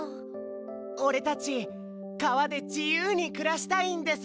おれたちかわでじゆうにくらしたいんです！